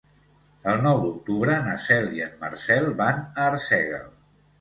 El nou d'octubre na Cel i en Marcel van a Arsèguel.